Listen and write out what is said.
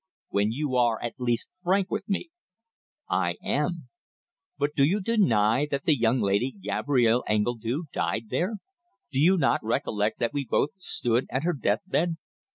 "When you are, at least, frank with me!" "I am." "But do you deny that the young lady, Gabrielle Engledue, died there? Do you not recollect that we both stood at her death bed?"